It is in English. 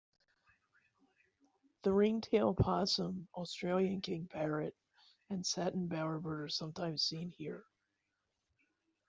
The ringtail possum, Australian king parrot and satin bowerbird are sometimes seen here.